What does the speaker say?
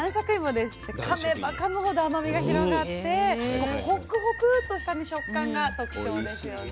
でかめばかむほど甘みが広がってホックホクとした食感が特徴ですよね。